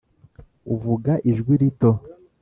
uvuga ijwi rito